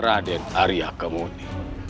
raden arya kemuni